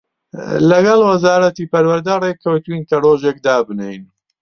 لەگەڵ وەزارەتی پەروەردە ڕێک کەوتووین کە ڕۆژێک دابنێین